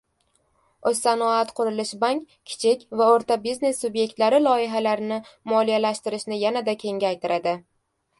O‘zsanoatqurilishbank kichik va o‘rta biznes sub’yektlari loyihalarini moliyalashtirishni yanada kengaytiradi